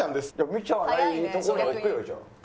見ちゃわないとこに置くよじゃあ。